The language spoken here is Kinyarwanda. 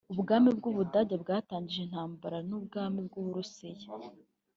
ubwami bw’ubudage bwatangije intambara n’ubwami bw’uburusiya